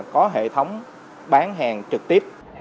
có hệ thống bán hàng trực tiếp